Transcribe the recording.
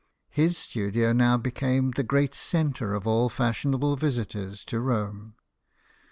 His studio now became the great centre of all fashionable visitors to Rome.